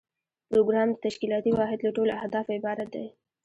پروګرام د تشکیلاتي واحد له ټولو اهدافو عبارت دی.